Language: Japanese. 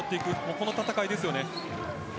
この戦いですよね。